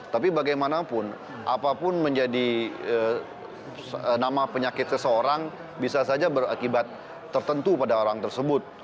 tapi bagaimanapun apapun menjadi nama penyakit seseorang bisa saja berakibat tertentu pada orang tersebut